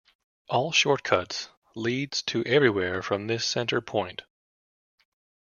All short-cuts leads to everywhere from this center point.